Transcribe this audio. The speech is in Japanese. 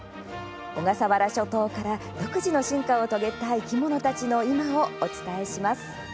小笠原諸島から独自の進化を遂げた生き物たちの今をお伝えします。